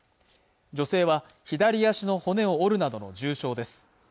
女性は左足の骨を折るなどの重傷です